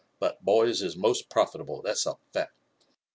But boys is most profitable, that's a fact.